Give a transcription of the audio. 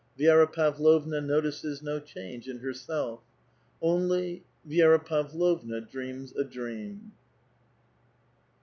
WC^vix. Pavlovna notices no change in herself. Only Vi6ra Pavlovna dreams a dream.